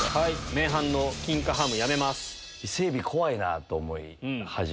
麺・飯の金華ハムやめます。